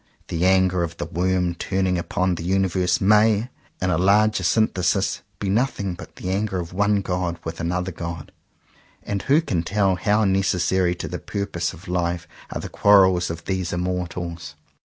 The anger of the worm turning upon the universe may, in a larger synthesis, be nothing but the anger of one god with another god. And who can tell how necessary to the purposes of life are the quarrels of these immortals?